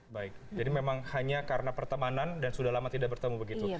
baik jadi memang hanya karena pertemanan dan sudah lama tidak bertemu begitu